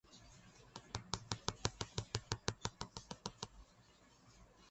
দলে তিনি মূলতঃ ডানহাতি অফ-ব্রেক বোলার হিসেবে খেলতেন।